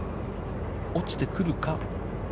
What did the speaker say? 落ちてくるか。